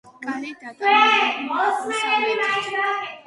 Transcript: კარი დატანებულია აღმოსავლეთით.